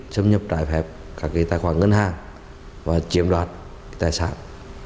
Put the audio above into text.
xâm nhập trái phép các tài khoản ngân hàng và chiếm đoạt tài sản